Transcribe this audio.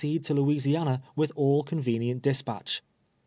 'L'(l to Louisiana with all convenient dispatch.